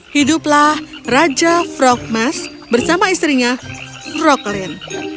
hiduplah raja frogmas bersama istrinya rocklin